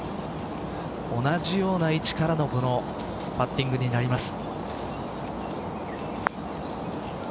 同じような位置からのパッティングになります。